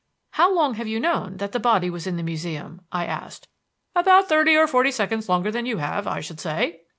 "How long have you known that the body was in the Museum?" I asked. "About thirty or forty seconds longer than you have, I should say."